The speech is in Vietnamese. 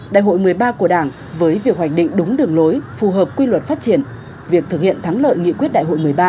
đại hội một mươi ba của đảng với việc hoạch định đúng đường lối phù hợp quy luật phát triển việc thực hiện thắng lợi nghị quyết đại hội một mươi ba